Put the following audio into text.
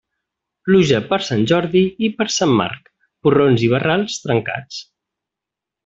Pluja per Sant Jordi i per Sant Marc, porrons i barrals trencats.